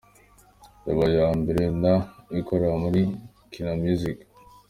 yabaye iya mbere na ikorera muri Kina miyuziki.